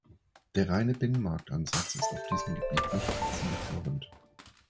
Der reine Binnenmarktansatz ist auf diesem Gebiet nicht zielführend.